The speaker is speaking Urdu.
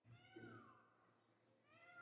ٹی بیگ والی بھی کوئی چائے ہوتی ہے؟